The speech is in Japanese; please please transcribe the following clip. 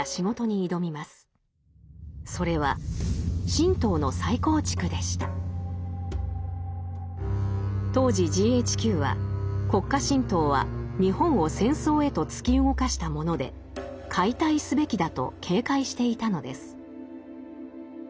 それは当時ＧＨＱは国家神道は日本を戦争へと突き動かしたもので解体すべきだと警戒していたのです。